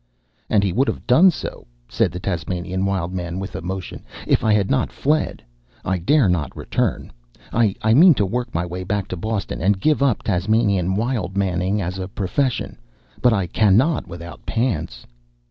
"And he would have done so," said the Tasmanian Wild Man with emotion, "if I had not fled. I dare not return. I mean to work my way back to Boston and give up Tasmanian Wild Man ing as a profession. But I cannot without pants."